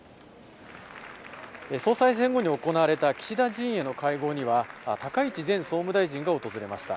総裁選後に行われた岸田陣営の会合には、高市前総務大臣が訪れました。